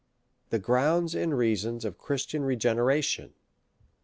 The Grounds and Reasons of Christian Rege neration.